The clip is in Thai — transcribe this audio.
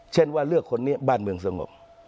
เช่นว่าเลือกคนนี้บ้านเมืองสงบ